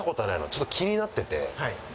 ちょっと気になってて。